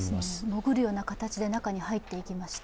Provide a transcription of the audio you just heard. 潜るような形で中に入っていきました。